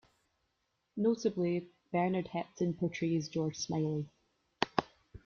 Notably, Bernard Hepton portrays George Smiley.